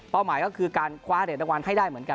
เป้าหมายก็คือการคว้าเหนือท้อโอลิมปิกให้ได้เหมือนกัน